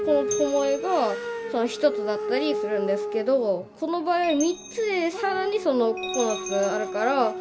この巴が１つだったりするんですけどこの場合は３つで更に９つあるから。